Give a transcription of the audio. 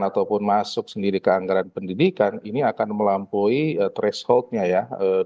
ataupun masuk sendiri ke anggaran pendidikan ini akan melampaui thresholdnya ya